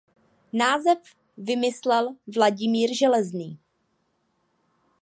Název vymyslel Vladimír Železný.